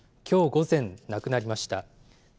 きょう午前、亡くなりました。